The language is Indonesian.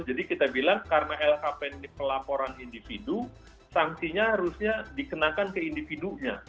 jadi kita bilang karena lhp ini pelaporan individu sanksinya harusnya dikenakan ke individunya